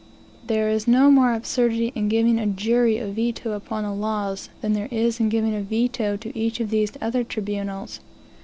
There is no more absurdity in giving a jury a veto upon the laws, than there is in giving a veto to each of these other tribunals.